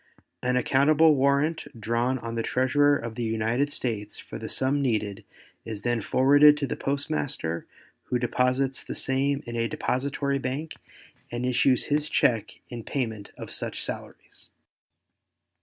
An accountable warrant drawn on the Treasurer of the United States for the sum needed is then forwarded to the postmaster who deposits the same in a depository bank and issues his check in payment of such salaries.